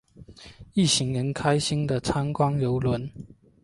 一行人开心的参观邮轮。